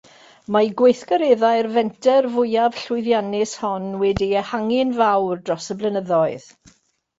Mae gweithgareddau'r fenter fwyaf llwyddiannus hon wedi ehangu'n fawr dros y blynyddoedd.